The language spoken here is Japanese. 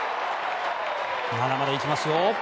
まだまだいきますよ。